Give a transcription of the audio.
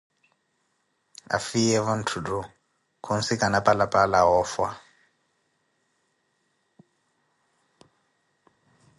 Aafiyeevo ntthutto khusikana Palappala oofha.